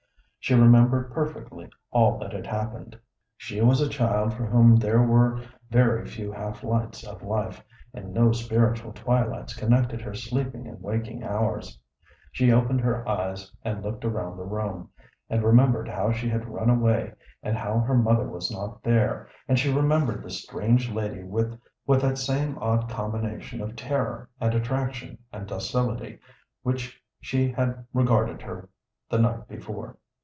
She remembered perfectly all that had happened. She was a child for whom there were very few half lights of life, and no spiritual twilights connected her sleeping and waking hours. She opened her eyes and looked around the room, and remembered how she had run away and how her mother was not there, and she remembered the strange lady with that same odd combination of terror and attraction and docility with which she had regarded her the night before.